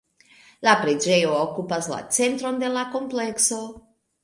La preĝejo okupas la centron de la komplekso.